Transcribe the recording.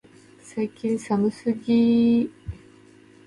最近寒すぎ、